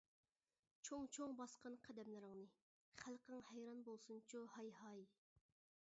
چوڭ-چوڭ باسقىن قەدەملىرىڭنى، خەلقىڭ ھەيران بولسۇنچۇ ھاي-ھاي!